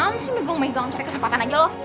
apaan sih megang megang cari kesempatan aja lo